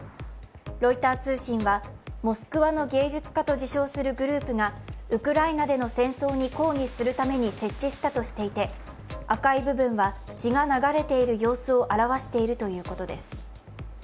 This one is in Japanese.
ロイター通信は、モスクワの芸術家と自称するグループがウクライナでの戦争に抗議するために設置したとしていて、赤い部分は血が流れている様子を表しているということです。